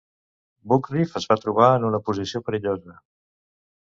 Boukreev es va trobar en una posició perillosa.